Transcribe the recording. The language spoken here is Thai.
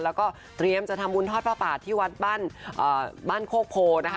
แล้วก็เตรียมจะทำบุญทอดพระป่าที่วัดบ้านโคกโพนะคะ